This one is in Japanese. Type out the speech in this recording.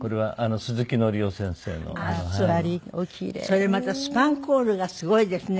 それまたスパンコールがすごいですね。